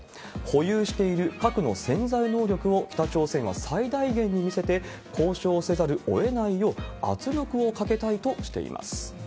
保有している核の潜在能力を北朝鮮は最大限に見せて、交渉せざるをえないよう、圧力をかけたいとしています。